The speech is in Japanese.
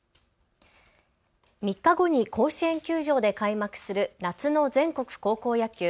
３日後に甲子園球場で開幕する夏の全国高校野球。